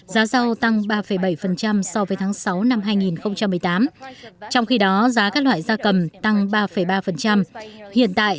giá rau tăng ba bảy so với tháng sáu năm hai nghìn một mươi tám trong khi đó giá các loại da cầm tăng ba ba hiện tại